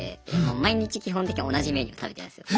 毎日基本的に同じメニュー食べてるんですよ。